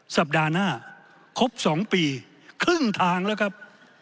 สัปดาห์หน้าครบ๒ปีครึ่งทางแล้วครับ